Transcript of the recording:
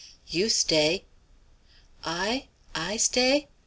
"You stay!" "I? I stay?